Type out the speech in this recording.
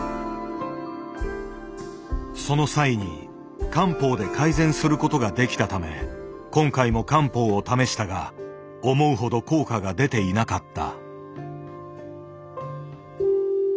その際に漢方で改善することができたため今回も漢方を試したが思うほど効果が出ていなかった。